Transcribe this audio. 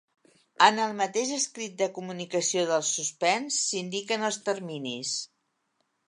En el mateix escrit de comunicació del suspens s'indiquen els terminis.